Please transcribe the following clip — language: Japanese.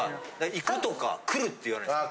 行くとか来るって言わないですか？